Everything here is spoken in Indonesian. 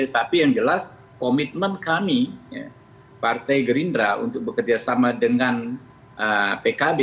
tapi yang jelas komitmen kami partai gerindra untuk bekerjasama dengan pkb